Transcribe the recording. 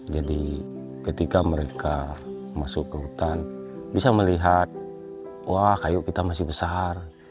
jadi ketika mereka masuk ke hutan bisa melihat wah kayu kita masih besar